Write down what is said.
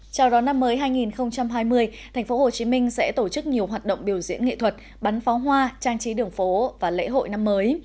chào đón năm mới hai nghìn hai mươi tp hcm sẽ tổ chức nhiều hoạt động biểu diễn nghệ thuật bắn pháo hoa trang trí đường phố và lễ hội năm mới